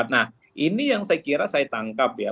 nah ini yang saya kira saya tangkap ya